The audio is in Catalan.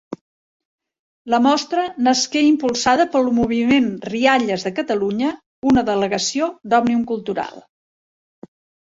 La Mostra nasqué impulsada pel Moviment Rialles de Catalunya, una delegació d'Òmnium Cultural.